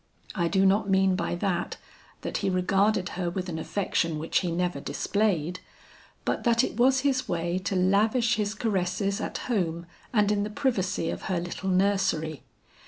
I do not mean by that that he regarded her with an affection which he never displayed, but that it was his way to lavish his caresses at home and in the privacy of her little nursery.